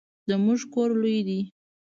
زموږ کور لوی دی